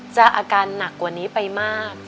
อาการหนักกว่านี้ไปมาก